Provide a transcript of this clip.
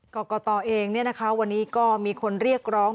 กรกตเองวันนี้ก็มีคนเรียกร้อง